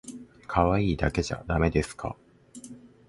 かわいいだけじゃだめですか